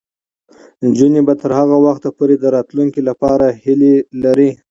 نجونې به تر هغه وخته پورې د راتلونکي لپاره هیله لري.